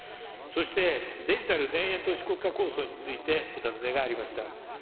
そして、デジタル田園都市国家構想についてお尋ねがありました。